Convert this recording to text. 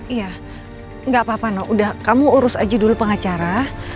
iya nggak apa apa no udah kamu urus aja dulu pengacara